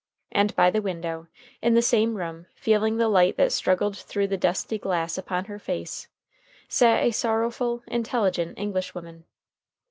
And by the window, in the same room, feeling the light that struggled through the dusty glass upon her face, sat a sorrowful, intelligent Englishwoman.